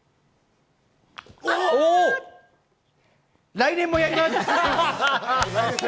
来年もやります。